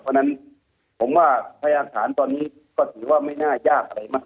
เพราะฉะนั้นผมว่าพยาฐานตอนนี้ก็ถือว่าไม่น่ายากอะไรมาก